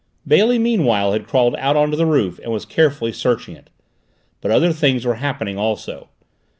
Bailey meanwhile had crawled out on the roof and was carefully searching it. But other things were happening also.